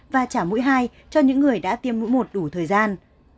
và trả mũi hai cho những người đã tiêm mũi một đủ thời gian